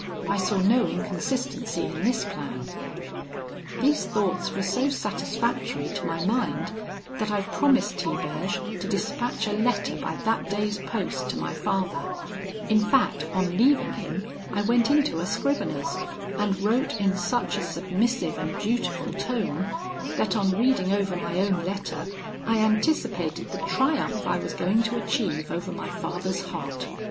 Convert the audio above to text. I saw no inconsistency in this plan. "These thoughts were so satisfactory to my mind, that I promised Tiberge to dispatch a letter by that day's post to my father: in fact, on leaving him, I went into a scrivener's, and wrote in such a submissive and dutiful tone, that, on reading over my own letter, I anticipated the triumph I was going to achieve over my father's heart.